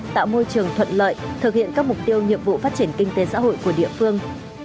tạo môi trường thuận lợi thực hiện các mục tiêu nhiệm vụ phát triển kinh tế xã hội của địa phương